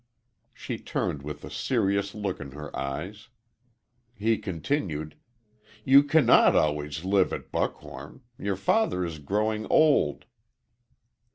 She turned with a serious look in her eyes. He continued: "You cannot always live at Buckhorn. Your father is growing old."